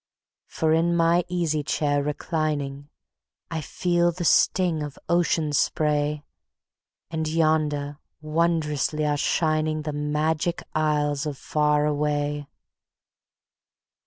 For in my easy chair reclining ... _I feel the sting of ocean spray; And yonder wondrously are shining The Magic Isles of Far Away.